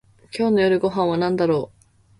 今日の夜ご飯はなんだろう